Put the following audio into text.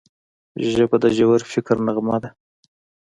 ژبه د ژور فکر نغمه ده